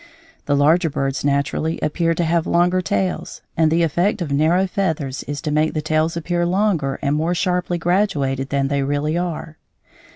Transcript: The larger birds naturally appear to have longer tails, and the effect of narrow feathers is to make the tails appear longer and more sharply graduated than they really are.